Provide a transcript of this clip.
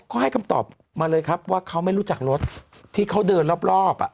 เขาให้คำตอบมาเลยครับว่าเขาไม่รู้จักรถที่เขาเดินรอบ